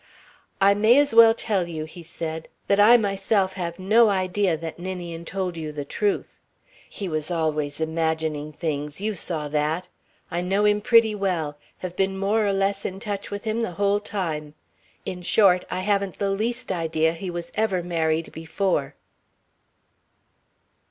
"I may as well tell you," he said, "that I myself have no idea that Ninian told you the truth. He was always imagining things you saw that. I know him pretty well have been more or less in touch with him the whole time. In short, I haven't the least idea he was ever married before."